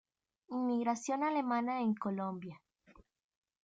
Inmigración alemana en Colombia